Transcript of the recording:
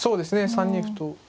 ３二歩と。